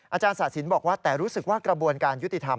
อาจารย์ศาสินบอกว่าแต่รู้สึกว่ากระบวนการยุติธรรม